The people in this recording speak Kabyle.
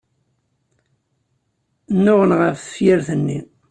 Nnuɣen ɣef tefyirt-nni.